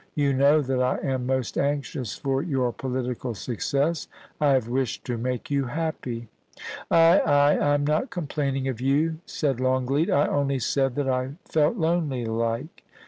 You know that I am most anxious for your political success. I have wished to make you happy.' ' Ay, ay ! I am not complaining of you,' said Longleat ;* I only said that I felt lonely like.